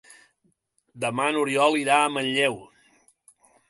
Demà n'Oriol irà a Manlleu.